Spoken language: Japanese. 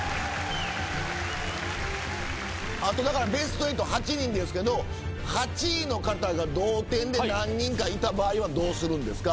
あとベスト８８人ですけど８位の方が同点で何人かいた場合はどうするんですか？